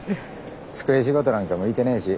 机仕事なんか向いてねえし。